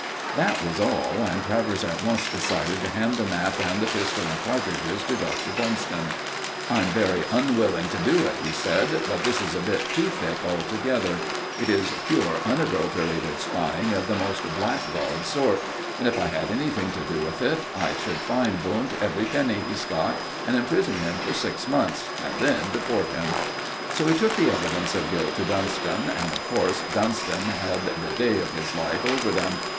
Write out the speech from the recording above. _ That was all, and Travers at once decided to hand the map and the pistol and cartridges to Doctor Dunston. "I'm very unwilling to do it," he said, "but this is a bit too thick altogether. It is pure, unadulterated spying of the most blackguard sort. And if I had anything to do with it, I should fine Wundt every penny he's got and imprison him for six months and then deport him." So he took the evidence of guilt to Dunston, and, of course, Dunston had the day of his life over them.